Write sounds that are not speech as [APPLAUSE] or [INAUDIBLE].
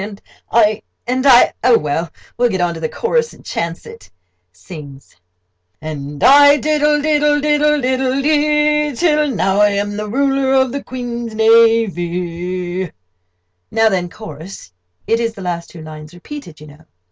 And I—and I—Oh, well, we'll get on to the chorus, and chance it: [SINGS] "'And I diddle diddle diddle diddle diddle diddle de, Till now I am the ruler of the Queen's navee.' Now then, chorus—it is the last two lines repeated, you know.